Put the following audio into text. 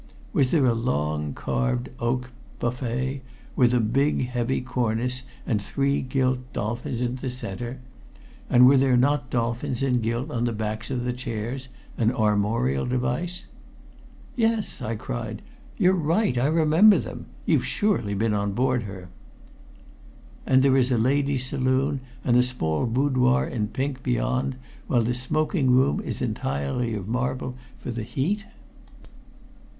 Was there a long carved oak buffet with a big, heavy cornice with three gilt dolphins in the center and were there not dolphins in gilt on the backs of the chairs an armorial device?" "Yes," I cried. "You are right. I remember them! You've surely been on board her!" "And there is a ladies' saloon and a small boudoir in pink beyond, while the smoking room is entirely of marble for the heat?"